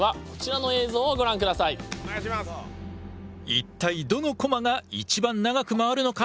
一体どのコマが一番長く回るのか？